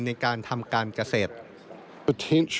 ในการทำการเกษตร